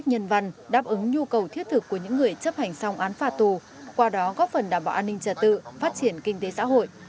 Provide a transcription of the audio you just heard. nhân văn đáp ứng nhu cầu thiết thực của những người chấp hành xong án phạt tù qua đó góp phần đảm bảo an ninh trật tự phát triển kinh tế xã hội